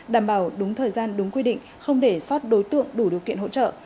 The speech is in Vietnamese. đảm bảo đúng thời gian đúng quy định không để sót đối tượng đủ điều kiện hỗ trợ